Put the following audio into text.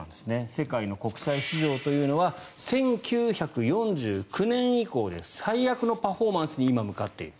世界の国債市場というのは１９４９年以降で最悪のパフォーマンスに今、向かっている。